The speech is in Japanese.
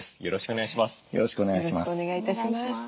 よろしくお願いします。